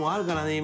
今。